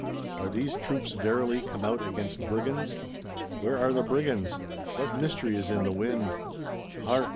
Are these troops verily come out "against Brigands"? Where are the Brigands? What mystery is in the wind?—Hark!